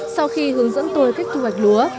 sau khi hướng dẫn tôi cách thu hoạch lúa